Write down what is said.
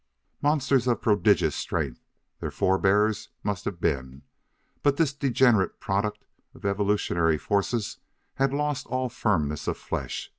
Monsters of prodigious strength, their forebears must have been, but this degenerate product of evolutionary forces had lost all firmness of flesh.